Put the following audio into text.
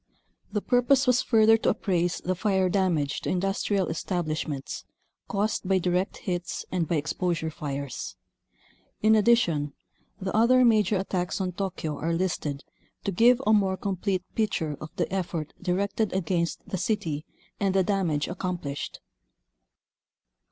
The purpose was further to appraise the fire damage to indus trial establishments caused by direct hits and by exposure fires. In addition, the other major attacks on Tokyo are listed to give a more com plete picture of the effort directed against the city and the damage accomplished.